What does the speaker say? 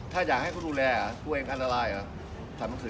ถ้าอยากให้เขาดูแลตัวเองอันยาละราย